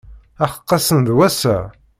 Aḥeqq ass-n d wass-a!